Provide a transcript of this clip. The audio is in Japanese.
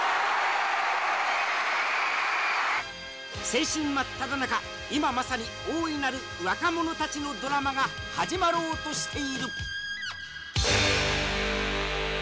青春真っただ中、今まさに大いなる若者たちのドラマが始まろうとしている。